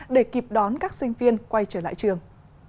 để kịp đón các sinh viên quay trở lại trường